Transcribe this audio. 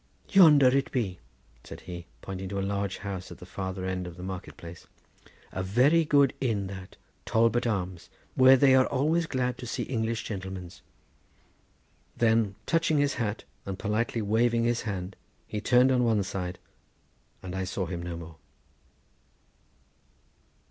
"Yonder it be," said he, pointing to a large house at the farther end of the market place. "Very good inn that—Talbot Arms—where they are always glad to see English gentlemans." Then touching his hat, and politely waving his hand, he turned on one side, and I saw him no more.